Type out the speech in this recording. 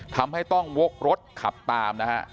ทำให้ต้องวกรถขับตามนะฮะ